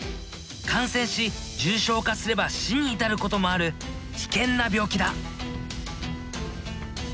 感染し重症化すれば死に至ることもある危険な病気だ。